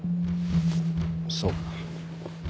そうか。